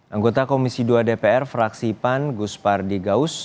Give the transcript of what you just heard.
anggota komisi dua dpr fraksi pan guspar digaus